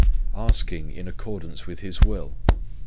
Asking in accordance with His will.